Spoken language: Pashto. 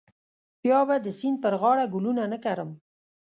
بیا به د سیند پر غاړه ګلونه نه کرم.